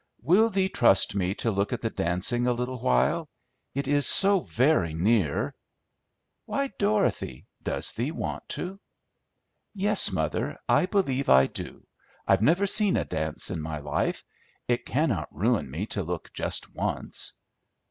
"Will thee trust me to look at the dancing a little while? It is so very near." "Why, Dorothy, does thee want to?" "Yes, mother, I believe I do. I've never seen a dance in my life. It cannot ruin me to look just once."